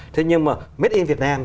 thế nhưng mà made in vietnam